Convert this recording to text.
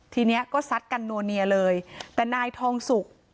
ทีนี้ก็ซัดกันนัวเนียเลยแต่นายทองสุก